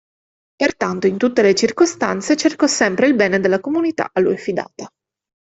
Pertanto, in tutte le circostanze cercò sempre il bene della comunità a lui affidata.